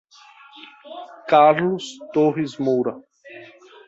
Carlos Torres Moura